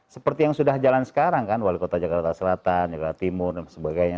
seperti yang sudah jalan sekarang kan wali kota jakarta selatan jakarta timur dan sebagainya